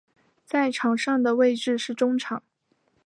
在场上的位置是中场。